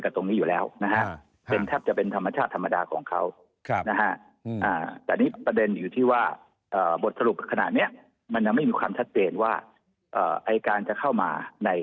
ก็จะเห็นคล้ายกัน